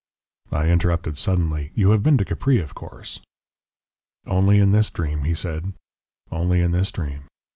I interrupted suddenly: "You have been to Capri, of course?" "Only in this dream," he said, "only in this dream.